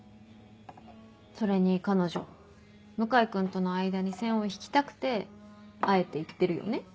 それに彼女向井君との間に線を引きたくてあえて言ってるよね。